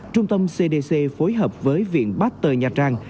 trung tâm cdc phối hợp với viện bát tờ nha trang